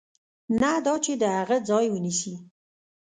نه دا چې د هغه ځای ونیسي.